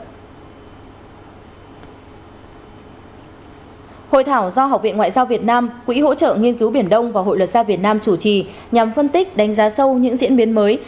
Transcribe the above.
hội thảo do học viện ngoại giao việt nam quỹ hỗ trợ nghiên cứu biển đông và hội luật gia việt nam chủ trì nhằm phân tích đánh giá sâu những diễn biến mới